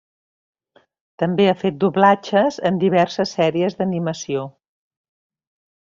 També ha fet doblatge en diverses sèries d'animació.